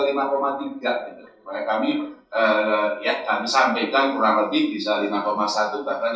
supaya kami ya kami sampaikan kurang lebih bisa lima satu bahkan lima dua